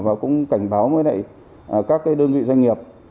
và cũng cảnh báo với các đơn vị doanh nghiệp